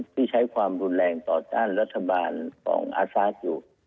ที่ใช้ความรุนแรงต่อต้านรัฐบาลของอาซาสอยู่